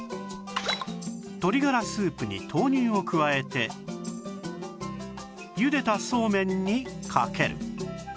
鶏がらスープに豆乳を加えてゆでたそうめんにかける